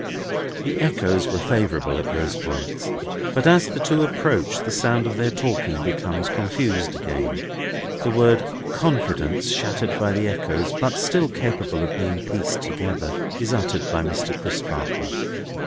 The echoes were favourable at those points, but as the two approach, the sound of their talking becomes confused again. The word "confidence," shattered by the echoes, but still capable of being pieced together, is uttered by Mr. Crisparkle.